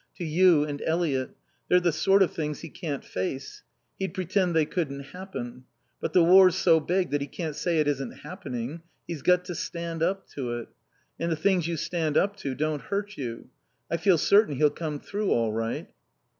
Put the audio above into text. To you and Eliot. They're the sort of things he can't face. He'd pretend they couldn't happen. But the war's so big that he can't say it isn't happening; he's got to stand up to it. And the things you stand up to don't hurt you. I feel certain he'll come through all right."